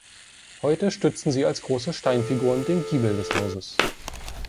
Heute stützen sie als große Steinfiguren den Giebel des Hauses.